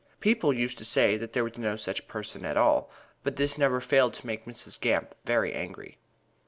People used to say there was no such person at all, but this never failed to make Mrs. Gamp very angry.